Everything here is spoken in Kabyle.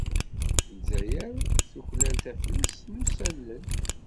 Lezzayer tuklal taflest d usalel.